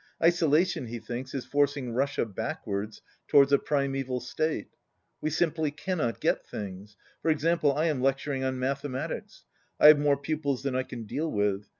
Isolation, he thinks, is forcing Russia backwards towards a primeval state. "We simply cannot get things. For example, I am lecturing on mathematics. I have more pupils than I can deal with.